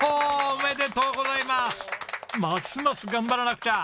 ますます頑張らなくちゃ。